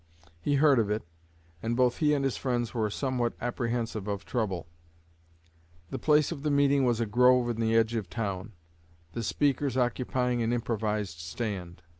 He heard of it, and both he and his friends were somewhat apprehensive of trouble. The place of the meeting was a grove in the edge of the town, the speakers occupying an improvised stand.